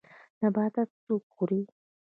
نباتات څوک خوري